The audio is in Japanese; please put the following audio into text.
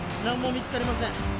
何も見つかりません